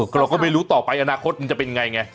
ก็เราก็ไม่รู้ต่อไปอนาคตมันจะเป็นยังไงไง